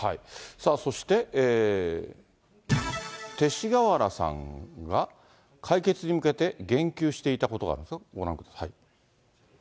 そして、勅使河原さんが解決に向けて言及していたことがあるんですか、ご覧ください。